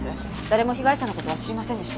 誰も被害者の事は知りませんでした。